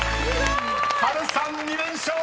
［波瑠さん２連勝。